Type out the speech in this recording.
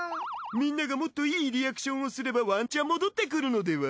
みんながもっといいリアクションをすればワンチャン戻ってくるのでは？